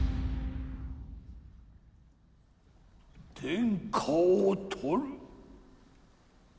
天下をとる。